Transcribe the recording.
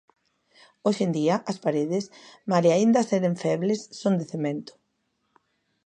Hoxe en día, as paredes, malia aínda seren febles, son de cemento.